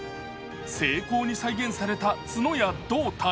精巧に再現された角や胴体。